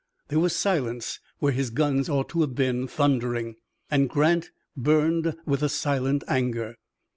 There was silence where his guns ought to have been thundering, and Grant burned with silent anger.